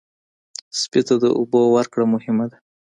سپي ته د اوبو ورکړه مهمه ده.